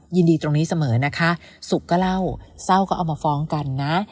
ยินดีตรงนี้เสมอนะคะสุขก็เล่าเศร้าก็เอามาฟ้องกันนะ